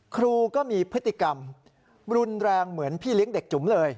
ครูก็มีพฤติกรรมรุนแรงเหมือนพี่เลี้ยงเด็กจุ๋มเลย